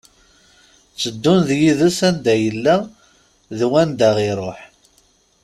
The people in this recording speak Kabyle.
Tteddun d yid-s anda yella d wanda iruḥ.